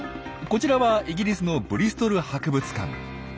こちらはイギリスのブリストル博物館。